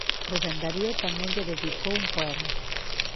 Rubén Darío tamén lle dedicou un poema.